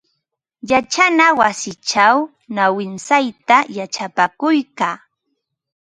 Yachana wasichaw nawintsayta yachapakuykaa.